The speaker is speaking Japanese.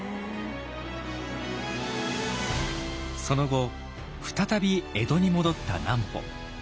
その後再び江戸に戻った南畝。